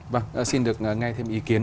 vâng xin được nghe thêm ý kiến